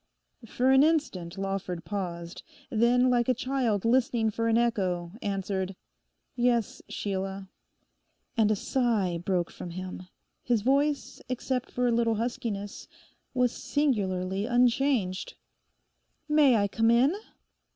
For an instant Lawford paused, then like a child listening for an echo, answered, 'Yes, Sheila.' And a sigh broke from him; his voice, except for a little huskiness, was singularly unchanged. 'May I come in?